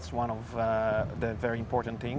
itu salah satu hal yang sangat penting